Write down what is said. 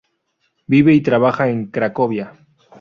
Vive y trabaja en Cracovia.